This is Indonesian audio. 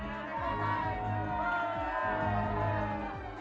iya tetapnya aa ayolah